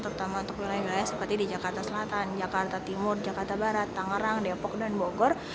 terutama untuk wilayah wilayah seperti di jakarta selatan jakarta timur jakarta barat tangerang depok dan bogor